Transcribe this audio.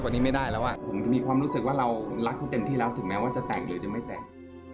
ผมมีความรู้สึกว่าเรารักที่เต็มที่แล้วถึงแม้ว่าจะแต่งหรือจะไม่แต่ง